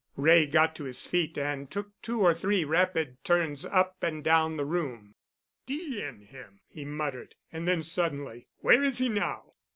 Wray got to his feet and took two or three rapid turns up and down the room. "D—n him!" he muttered. And then suddenly, "Where is he now?"